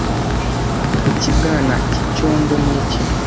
Ikibwana cyicyondo niki